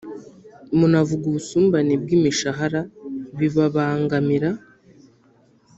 munavuga ubusumbane bw’imishahara bibabangamira